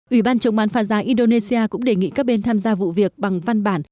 ủy ban chống bán phá giá indonesia cũng đề nghị các bên tham gia vụ việc bằng văn bản